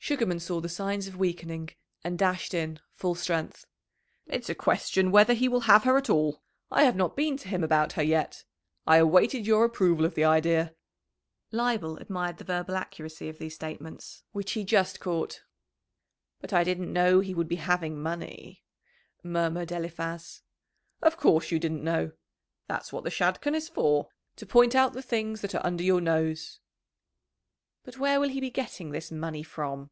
Sugarman saw the signs of weakening, and dashed in, full strength. "It's a question whether he will have her at all. I have not been to him about her yet. I awaited your approval of the idea." Leibel admired the verbal accuracy of these statements, which he just caught. "But I didn't know he would be having money," murmured Eliphaz. "Of course you didn't know. That's what the Shadchan is for to point out the things that are under your nose." "But where will he be getting this money from?"